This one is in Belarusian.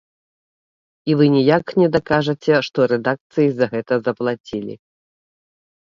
І вы ніяк не дакажаце, што рэдакцыі за гэта заплацілі.